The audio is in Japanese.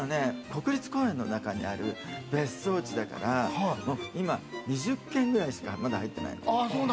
国立公園の中にある別荘地だから、２０軒くらいしかまだ入ってないの。